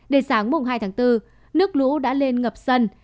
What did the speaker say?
đến sáng mùng hai tháng bốn nước lũ đã lên ngập sân